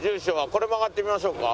これ曲がってみましょうか。